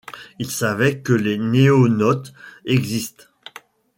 Ils savaient que les noénautes existent.